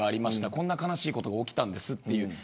こんな悲しいことが起きたんですと。